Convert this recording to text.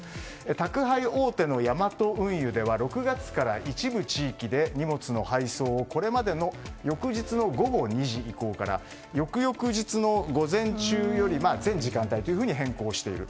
宅配大手のヤマト運輸では６月から一部地域で荷物の配送をこれまでの翌日の午後２時以降から翌々日の午前中より全時間帯と変更している。